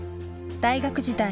大学時代